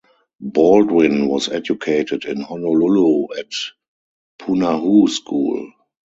Baldwin was educated in Honolulu at Punahou School.